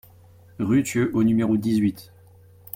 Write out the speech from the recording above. Rue Thieux au numéro dix-huit